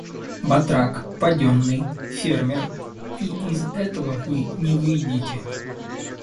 Батрак, поденный, фермер — и из этого вы не выйдете.